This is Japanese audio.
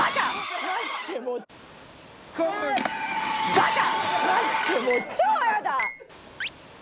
バカ！